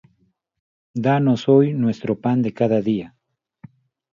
Danos hoy nuestro pan de cada día;